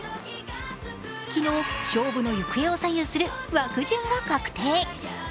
昨日、勝負の行方を左右する枠順が確定。